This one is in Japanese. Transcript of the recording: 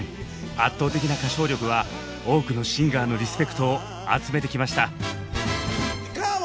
圧倒的な歌唱力は多くのシンガーのリスペクトを集めてきました。